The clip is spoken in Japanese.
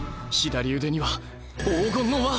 左腕には黄金の輪！